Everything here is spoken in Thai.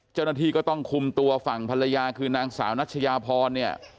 เจ้าหน้าที่ก็ต้องคุมตัวฝั่งภรรยาคือนางสาวนัชยาพรเนี่ย